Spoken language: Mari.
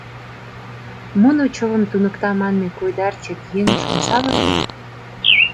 Муно чывым туныкта манме койдарчык еҥыш ом савырне?